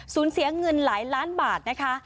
เสียเงินหลายล้านบาทนะคะ